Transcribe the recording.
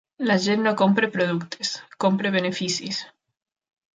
La gent no compra productes, compra beneficis.